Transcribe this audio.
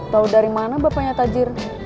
tahu dari mana bapaknya tajir